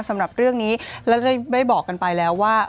สำหรับเรื่องนี้และได้บอกกันไปแล้วว่า